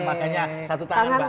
makanya satu tangan mbak